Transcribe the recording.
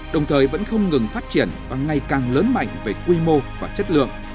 đồng thời vẫn không ngừng phát triển và ngày càng lớn mạnh về quy mô và chất lượng